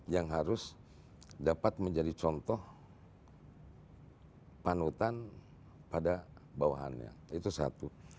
yang harus dapat menjadi contoh panutan pada bawahannya itu satu